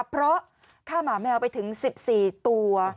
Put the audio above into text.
เพราะฆ่าหมาแมวไปถึง๑๔ตัว